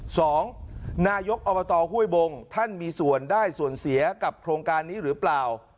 สองนายกอบตห้วยบงท่านมีส่วนได้ส่วนเสียกับโครงการนี้หรือเปล่า